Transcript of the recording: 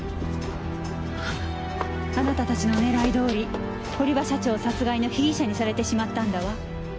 あなたたちの狙いどおり堀場社長殺害の被疑者にされてしまったんだわ。